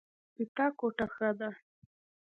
د تا کوټه ښه ده